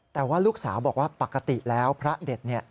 แต่ว่าลูกสาวบอกว่าปกติแล้วพระเด็ดเนี่ย